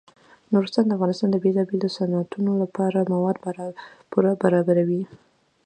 نورستان د افغانستان د بیلابیلو صنعتونو لپاره مواد پوره برابروي.